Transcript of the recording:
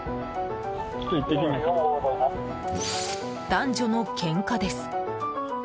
男女のけんかです。